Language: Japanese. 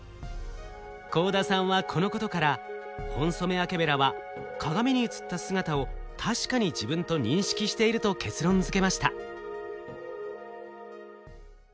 幸田さんはこのことからホンソメワケベラは鏡に映った姿を確かに自分と認識していると結論づけました。